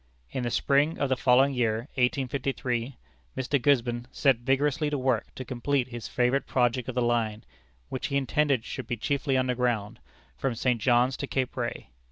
In the spring of the following year, 1853, Mr. Gisborne set vigorously to work to complete his favorite project of the line (which he intended should be chiefly underground) from St. John's to Cape Ray.